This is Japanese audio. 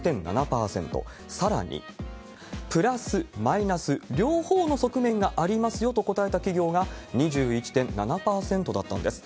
さらに、プラス、マイナス、両方の側面がありますよと答えた企業が２１．７％だったんです。